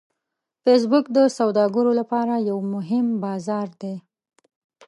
فېسبوک د سوداګرو لپاره یو مهم بازار دی